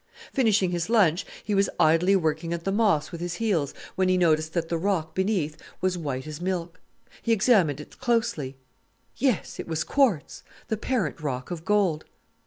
Finishing his lunch, he was idly working at the moss with his heels when he noticed that the rock beneath was white as milk. He examined it closely; yes, it was quartz, the parent rock of gold.